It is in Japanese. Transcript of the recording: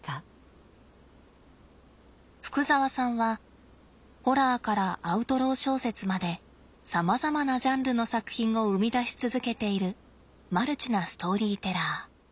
福澤さんはホラーからアウトロー小説までさまざまなジャンルの作品を生み出し続けているマルチなストーリーテラー。